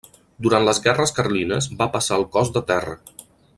Durant les guerres Carlines va passar al cos de terra.